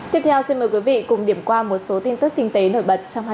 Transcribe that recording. tiếp theo xin mời quý vị cùng điểm qua một số tin tức kinh tế nổi bật trong hai mươi bốn h qua